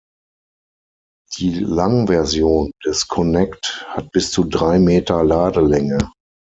Die Langversion des Connect hat bis zu drei Meter Ladelänge.